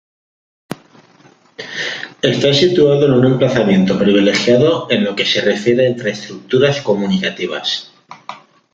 Está situado en un emplazamiento privilegiado en lo que se refiere a infraestructuras comunicativas.